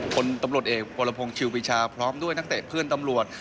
คนตำรวจเอกวรพงศ์ชิวปีชาพร้อมด้วยนักเตะเพื่อนตำรวจ